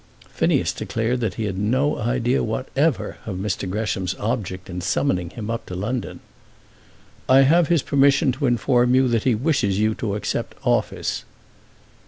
Phineas declared that he had no idea whatever of Mr. Gresham's object in summoning him up to London. "I have his permission to inform you that he wishes you to accept office."